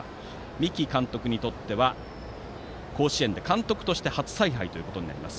三木監督にとっては甲子園で監督として初采配ということになります。